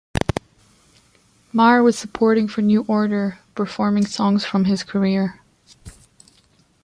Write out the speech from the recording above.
Marr was supporting for New Order, performing songs from his career.